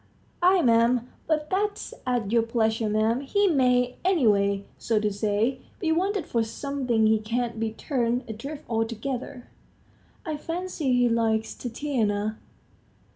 "Ay, 'm. But that's at your pleasure, 'm. He may, any way, so to say, be wanted for something; he can't be turned adrift altogether." "I fancy he likes Tatiana."